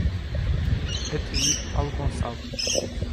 Atair Paulo Goncalves